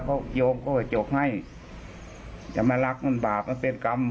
เพราะโยมก็กระจกให้จะมารักมันบาปมันเป็นกรรม